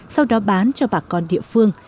sau đó bán cho bà con địa phương